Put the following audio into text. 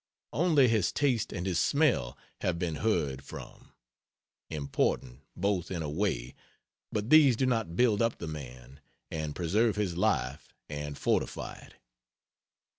Only his taste and his smell have been heard from important, both, in a way, but these do not build up the man; and preserve his life and fortify it.